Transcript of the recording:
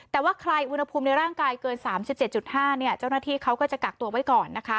แต่ว่าใครอุณหภูมิในร่างกายเกิน๓๗๕เจ้าหน้าที่เขาก็จะกักตัวไว้ก่อนนะคะ